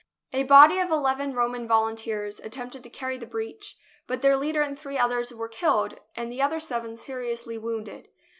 A body of eleven Roman volunteers attempted to carry the breach, but their leader and three others JERUSALEM were killed and the other seven seriously wounded.